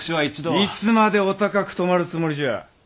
いつまでお高くとまるつもりじゃ！